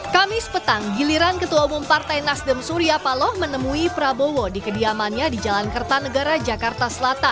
kamis petang giliran ketua umum partai nasdem surya paloh menemui prabowo di kediamannya di jalan kertanegara jakarta selatan